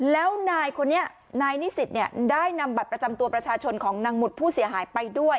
แล้วนายคนนี้นายนิสิตได้นำบัตรประจำตัวประชาชนของนางหมุดผู้เสียหายไปด้วย